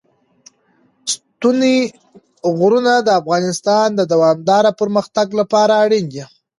ستوني غرونه د افغانستان د دوامداره پرمختګ لپاره اړین دي.